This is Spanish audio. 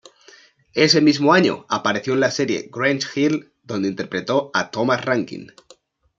Ese mismo año apareció en la serie "Grange Hill" donde interpretó a Thomas Rankin.